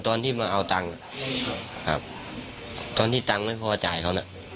ตอนที่มาเอาตังค์ครับตอนที่ตังค์ไม่พอจ่ายเขาน่ะ